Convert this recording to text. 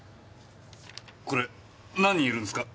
これ何人いるんすか？